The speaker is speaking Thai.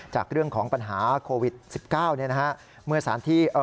จากเรื่องของปัญหาโควิด๑๙เนี่ยนะฮะ